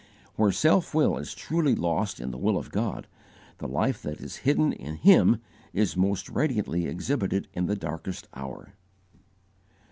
Where self will is truly lost in the will of God, the life that is hidden in Him is most radiantly exhibited in the darkest hour.